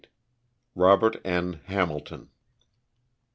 ROBERT N. HAMILTON.